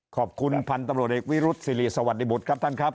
ขอบคุณพันธุ์ตำรวจเอกวิรุษศิริสวัสดีบุตรครับท่านครับ